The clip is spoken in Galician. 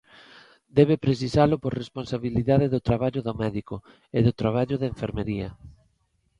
Debe precisalo por responsabilidade do traballo do médico e do traballo de enfermería.